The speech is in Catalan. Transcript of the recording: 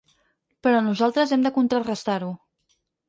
Però nosaltres hem de contrarestar-ho.